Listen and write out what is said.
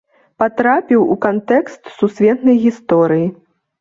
Патрапіў у кантэкст сусветнай гісторыі.